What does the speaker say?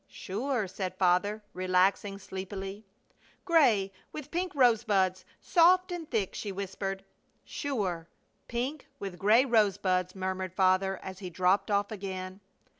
"Sure!" said Father, relaxing sleepily. "Gray, with pink rosebuds, soft and thick," she whispered. "Sure! pink, with gray rosebuds," murmured Father as he dropped off again.